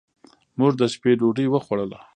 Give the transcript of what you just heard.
موږ د شپې ډوډۍ وخوړه.